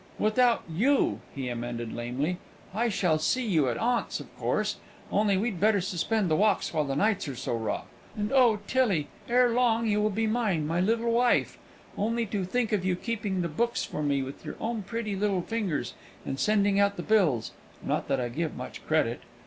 "Without you," he amended lamely. "I shall see you at aunt's, of course; only we'd better suspend the walks while the nights are so raw. And, oh, Tillie, ere long you will be mine, my little wife! Only to think of you keeping the books for me with your own pretty little fingers, and sending out the bills! (not that I give much credit).